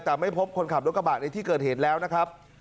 แต่ไม่พบคนขับรถกระบะในที่เกิดเหตุแล้วนะครับ